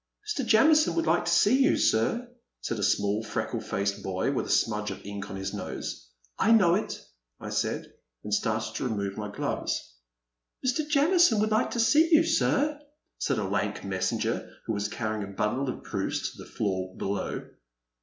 Mr. Jamison would like to see you, sir,'* said a small freckle faced boy with a smudge of ink on his nose. I A Pleasant Evening. 309 " I know it," I said, and started to remove my gloves. '* Mr. Jamison would like to see you, sir,'* said a lank messenger who was carrying a bundle of proofs to the floor below.